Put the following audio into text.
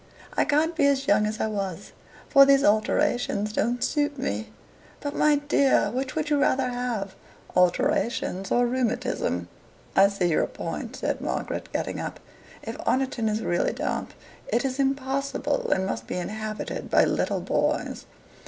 I can't be as young as I was, for these alterations don't suit me. " "But, my dear, which would you rather have alterations or rheumatism?" "I see your point," said Margaret, getting up. "If Oniton is really damp, it is impossible, and must be inhabited by little boys.